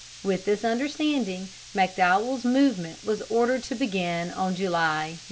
With this understanding, McDowell's movement was ordered to begin on July 9.